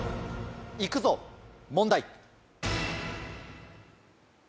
行くぞ問題。